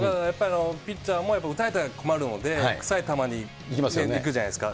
ピッチャーもやっぱり打たれたら困るので、くさい球にいくじゃないですか。